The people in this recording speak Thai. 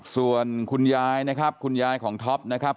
ส่วนคุณยายนะครับคุณยายของท็อปนะครับ